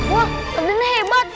wah radennya hebat